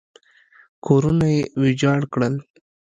کورونه یې ویجاړ کړل.